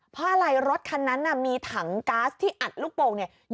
เพราะอะไรรถคันนั้นมีถังก๊าซที่อัดลูกโป่งเนี่ย